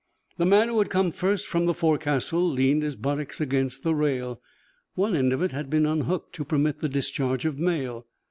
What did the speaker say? The man who had come first from the forecastle leaned his buttocks against the rail. One end of it had been unhooked to permit the discharge of mail.